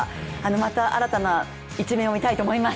また新たな一面を見たいと思います。